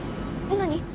何？